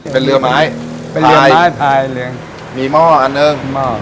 เป็นเรือไม้เป็นเรือไม้พายเรืองมีหม้ออันหนึ่งหม้อ